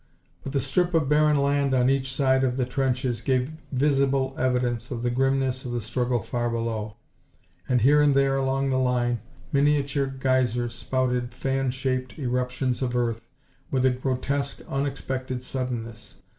But the strip of barren land on each side of the trenches gave visible evidence of the grimness of the struggle far below, and here and there along the line, miniature geysers spouted fan shaped eruptions of earth with a grotesque, unexpected suddenness.